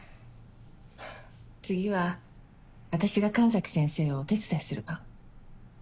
次は私が神崎先生をお手伝いする番。